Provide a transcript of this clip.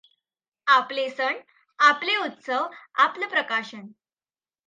आपले सण आपले उत्सव आपलं प्रकाशन